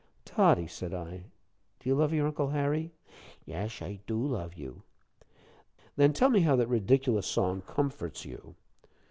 "Toddie," said I, "do you love your Uncle Harry?" "Esh, I do love you." "Then tell me how that ridiculous song comforts you?"